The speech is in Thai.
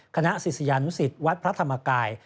คณะศิษยานุสิตวัดพระธรรมกาย